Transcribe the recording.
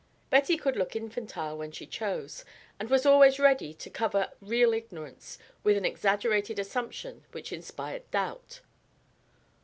Betty could look infantile when she chose, and was always ready to cover real ignorance with an exaggerated assumption which inspired doubt.